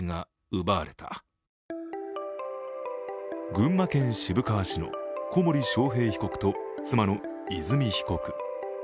群馬県渋川市の小森章平被告と妻の和美被告。